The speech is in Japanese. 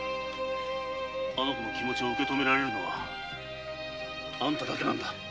あの子の気持ちを受け止められるのはあんただけなんだ。